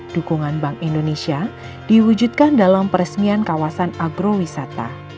dukungan bank indonesia diwujudkan dalam peresmian kawasan agrowisata